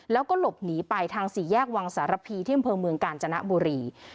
แล้วก็หลบหนีไปทางสี่แยกวังสารพีที่อำเภอเมืองกาญจนบุรี